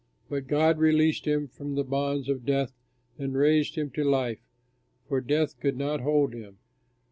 But God released him from the bonds of death and raised him to life, for death could not hold him.